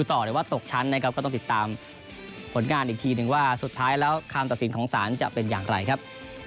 ทีนึงว่าสุดท้ายแล้วความตัดสินของศาลจะเป็นอย่างไรครับ